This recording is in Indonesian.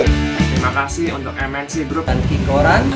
terima kasih untuk mnc group dan kikoran